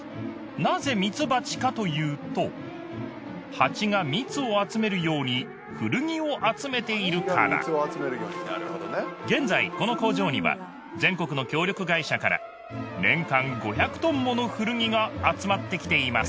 なぜミツバチかというとハチがミツを集めるように古着を集めているから現在この工場には全国の協力会社から年間５００トンもの古着が集まってきています